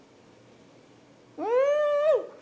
うん！